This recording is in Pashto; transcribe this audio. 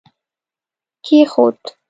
کښېښود